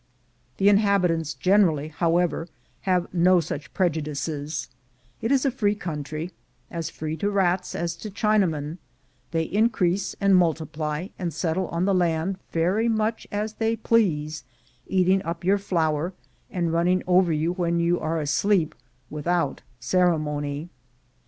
The inhabitants generally, however, have no such prejudices; it is a free country — as free to rats as to Chinamen; they increase and multiply and settle on the land very much as they please, eating up your flour, and running over you when you are asleep, without ceremony.